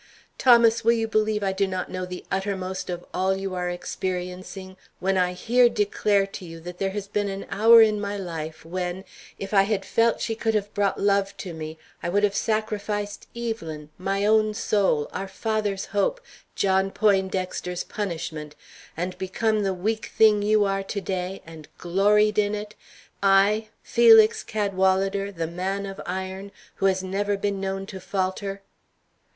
Thomas, will you believe I do not know the uttermost of all you are experiencing, when I here declare to you that there has been an hour in my life when, if I had felt she could have been brought to love me, I would have sacrificed Evelyn, my own soul, our father's hope, John Poindexter's punishment, and become the weak thing you are to day, and gloried in it, I, Felix Cadwalader, the man of iron, who has never been known to falter?